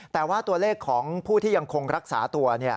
แต่ว่าตัวเลขของผู้ที่ยังคงรักษาตัว